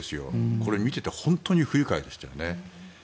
これ見ていて本当に不愉快でしたよね。